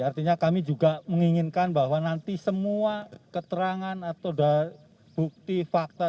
artinya kami juga menginginkan bahwa nanti semua keterangan atau bukti fakta